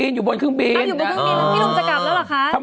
ทำไมอยู่บนคึ้งบินแล้ว